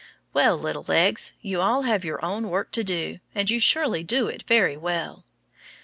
Well, little legs, you all have your own work to do, and you surely do it very well.